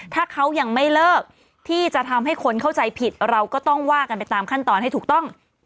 ถ้าเขายังไม่เลิกที่จะทำให้คนเข้าใจผิดเราก็ต้องว่ากันไปตามขั้นตอนให้ถูกต้อง